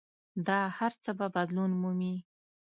دا هر څه به بدلون مومي.